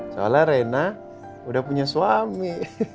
soalnya reina udah punya suami